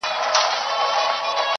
که را مخ زما پر لور هغه صنم کا,